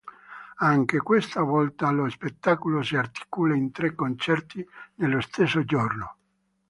Anche questa volta lo spettacolo si articola in tre concerti nello stesso giorno.